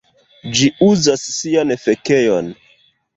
ĝi uzas sian fekejon.